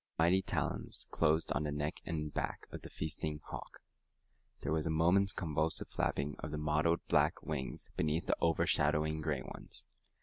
His mighty talons closed on the neck and back of the feasting hawk. There was a moment's convulsive flapping of the mottled brown wings beneath the overshadowing gray ones.